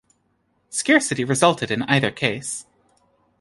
Scarcity resulted in either case.